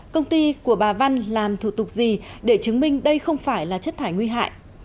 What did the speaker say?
công ty của bà văn làm thủ tục gì để chứng minh đây không phải là chất thải nguy hại